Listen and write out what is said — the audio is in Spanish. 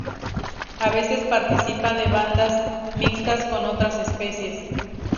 A veces participa de bandas mixtas con otras especies.